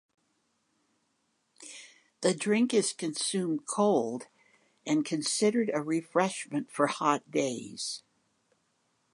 The drink is consumed cold and considered a refreshment for hot days.